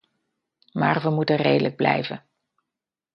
Maar we moeten redelijk blijven.